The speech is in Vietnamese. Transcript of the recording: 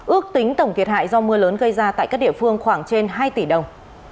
ước tính tổng thiệt hại do mưa lớn gây ra tại các địa phương khoảng trên hai tỷ đồng